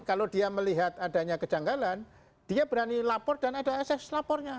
kalau dia melihat adanya kejanggalan dia berani lapor dan ada ases lapornya